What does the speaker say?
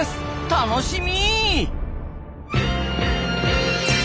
楽しみ！